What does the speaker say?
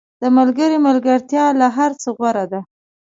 • د ملګري ملګرتیا له هر څه غوره ده.